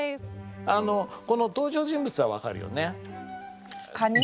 あのこの登場人物は分かるよね？